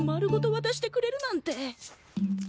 わたしてくれるなんて。